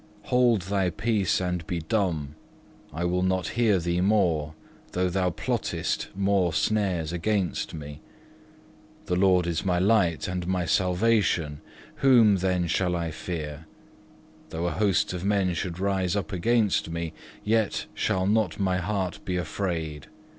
Hold thy peace and be dumb; I will not hear thee more, though thou plottest more snares against me. The Lord is my light and my salvation: whom then shall I fear? Though a host of men should rise up against me, yet shall not my heart be afraid.